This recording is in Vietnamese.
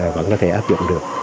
vẫn có thể áp dụng được